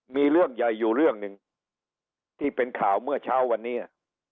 มีเรื่องใหญ่อยู่เรื่องหนึ่งที่เป็นข่าวเมื่อเช้าวันนี้